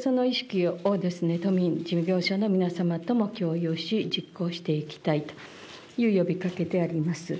その意識を都民、事業者の皆様とも共有をし、実行していきたいという呼びかけであります。